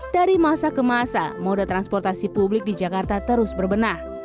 dari masa ke masa moda transportasi publik di jakarta terus berbenah